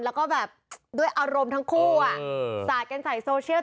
แล้วก็แบบด้วยอารมณ์ทั้งคู่สาดกันใส่โซเชียล